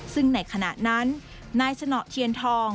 ซึ่งในขณะนั้นนายสนเทียนทอง